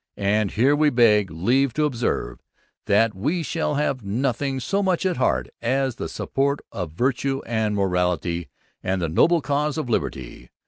And here we beg leave to observe that we shall have nothing so much at heart as the support of VIRTUE and MORALITY and the noble cause of LIBERTY.